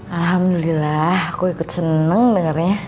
alhamdulillah aku ikut seneng dengarnya